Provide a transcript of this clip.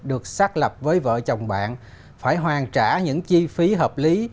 được xác lập với vợ chồng bạn phải hoàn trả những chi phí hợp lý